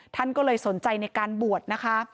ท่านก็เลยสนใจในการบวชนะคะ